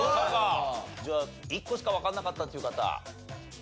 じゃあ１個しかわかんなかったっていう方。